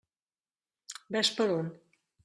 Ves per on!